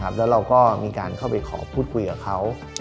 แล้วเราก็มีการเข้าไปขอพูดคุยกับเขา